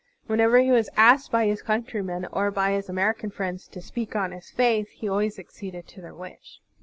Whenever he was asked by his cotintrymen or by his American friends to speak on his faith, he always acceded to their wish.